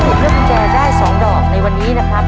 เลือกกุญแจได้๒ดอกในวันนี้นะครับ